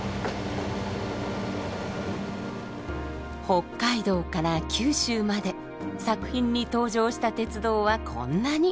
北海道から九州まで作品に登場した鉄道はこんなに！